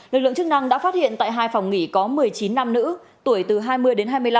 lực lượng chức năng đã phát hiện tại hai phòng nghỉ có một mươi chín nam nữ tuổi từ hai mươi đến hai mươi năm